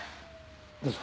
どうぞ。